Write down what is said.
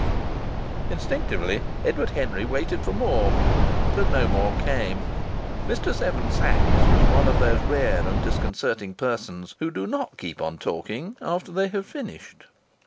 K." Instinctively Edward Henry waited for more; but no more came. Mr. Seven Sachs was one of those rare and disconcerting persons who do not keep on talking after they have finished.